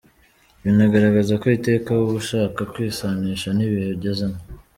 Binagaragaza ko iteka uba ushaka kwisanisha n’ibihe ugezemo.